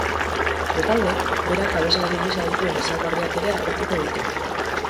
Bestalde, berak abeslari gisa dituen ezaugarriak ere argituko ditu.